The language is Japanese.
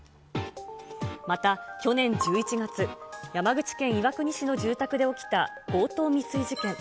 また、去年１１月、山口県岩国市の住宅で起きた強盗未遂事件。